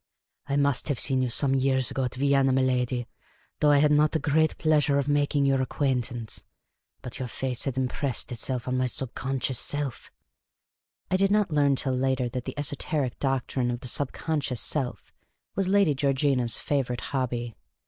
I must have seen you some years ago at Vienna, miladi, though I had not then the great pleasure of making your acquaintance. But j'our face had impressed itself on my sub conscious self! " (I did not learn till later that the esoteric doctrine of the sub conscious self was Lady Georgina's favourite hobby.)